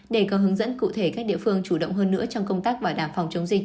để có hướng dẫn cụ thể các địa phương chủ động hơn nữa trong công tác bảo đảm phòng chống dịch